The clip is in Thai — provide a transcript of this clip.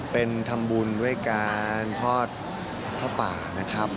เป็นทำบุญด้วยการทอดผ้าป่านะครับ